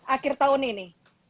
akhir tahun ini